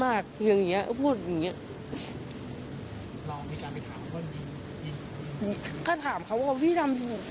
แม่เรียกลูกทุกอันลูกยอดมากินข้าวไหมลูก